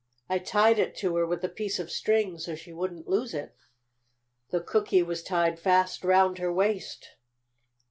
"I tied it to her with a piece of string so she wouldn't lose it. The cookie was tied fast around her waist."